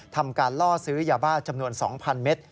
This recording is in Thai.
ทำการล่อซื้อยาบ้าจำนวน๒๐๐เมตร